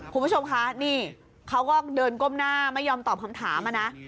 คุณผู้ชมคะนี่เขาก็เดินก้มหน้าไม่ยอมตอบคำถามอะนะ